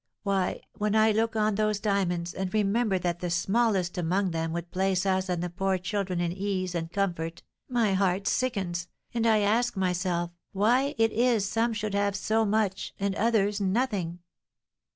Why, when I look on those diamonds, and remember that the smallest amongst them would place us and the poor children in ease and comfort, my heart sickens, and I ask myself why it is some should have so much, and others nothing?